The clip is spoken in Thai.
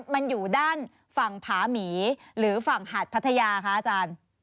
มันอยู่ด้านฝั่งผาหมีหรือฝั่งหาดพัทยาคะอาจารย์